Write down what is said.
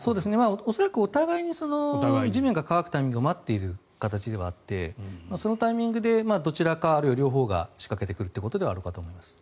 恐らくお互いに地面が乾くタイミングを待っている形ではあってそのタイミングでどちらかあるいは両方が仕掛けてくるということではあるかと思います。